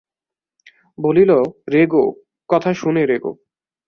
বলিল, রেগো, কথা শুনে রোগো।